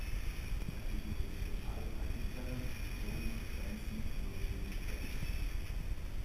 Dagegen wird der Schall bei mittleren und hohen Frequenzen nur wenig gedämpft.